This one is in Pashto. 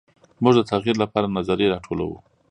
موږ د تغیر لپاره نظریې راټولوو.